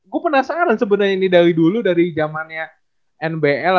gue penasaran sebenernya ini dari dulu dari jamannya nbl